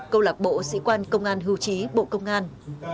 câu lạc bộ sĩ quan công an hưu trí bộ công an